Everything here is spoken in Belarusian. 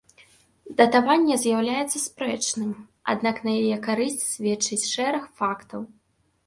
Датаванне з'яўляецца спрэчным, аднак на яе карысць сведчыць шэраг фактаў.